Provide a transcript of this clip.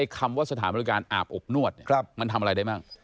คำว่าสถานบริการอาบอบนวดมันทำอะไรได้มั่ง